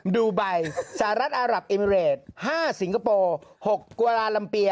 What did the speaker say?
ดูไบสหรัฐอารับเอมิเรด๕สิงคโปร์๖กวาลาลัมเปีย